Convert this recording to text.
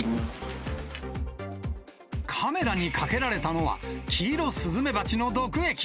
カメラにかけられたのは、キイロスズメバチの毒液。